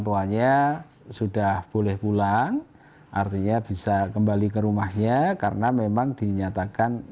tuanya sudah boleh pulang artinya bisa kembali ke rumahnya karena memang dinyatakan